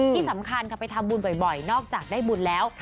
ที่สำคัญค่ะไปทำบุญบ่อยนอกจากได้บุญแล้ว